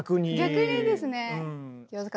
逆にですね。